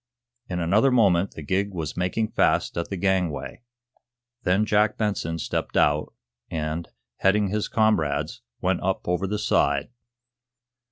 In another moment the gig was making fast at the gangway. Then Jack Benson stepped out, and, heading his comrades, went up over the side.